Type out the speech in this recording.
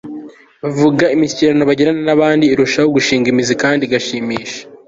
bavuga, imishyikirano bagirana n'abandi irushaho gushinga imizi kandi igashimisha